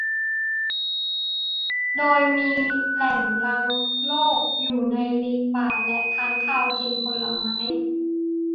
โดยมีแหล่งรังโรคอยู่ในลิงป่าและค้างคาวกินผลไม้